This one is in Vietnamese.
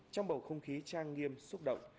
trong bầu không khí trang nghiêm xúc động